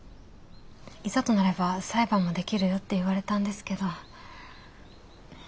いざとなれば裁判もできるよって言われたんですけど。